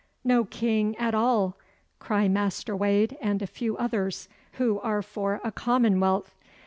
"No King at all!" cry Master Wade and a few others who are for a Commonwealth.